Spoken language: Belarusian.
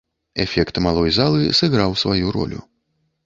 Эфект малой залы сыграў сваю ролю.